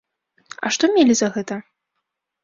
А што мелі за гэта?